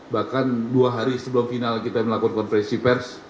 bahkan dua hari sebelum final kita melakukan konversepers